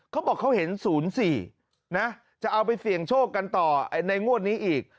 เขาบอกเขาเห็น๐๔นะจะเอาไปเสี่ยงโชคกันต่อในงวดนี้อีก